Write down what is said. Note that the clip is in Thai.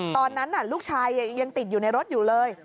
ตอนนั้นลูกชายยังติดอยู่ในรถอยู่เลย